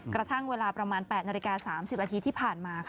กระทั่งเวลาประมาณ๘นาฬิกา๓๐นาทีที่ผ่านมา